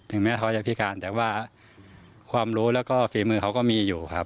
แม้เขาจะพิการแต่ว่าความรู้แล้วก็ฝีมือเขาก็มีอยู่ครับ